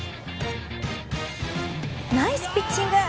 ナイスピッチング！